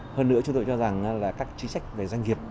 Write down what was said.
hơn nữa chúng tôi cho rằng là các chính sách về doanh nghiệp